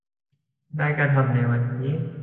ได้กระทำในวันนี้